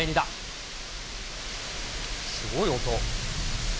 すごい音。